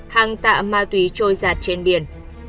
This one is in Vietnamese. hàng tạ ma túy trôi giặt trên biển